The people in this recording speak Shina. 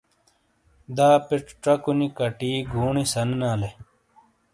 داپے چکونی کٹی گونی سنیلانے۔۔